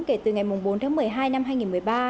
kể từ ngày bốn tháng một mươi hai năm hai nghìn một mươi ba